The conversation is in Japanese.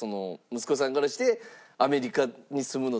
息子さんからしてアメリカに住むのと日本。